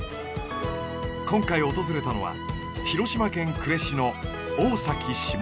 今回訪れたのは広島県呉市の大崎下島。